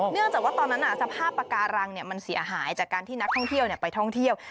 เนื่องจากว่าตอนนั้นสภาพปากการังมันเสียหายจากการที่นักท่องเที่ยวไปท่องเที่ยว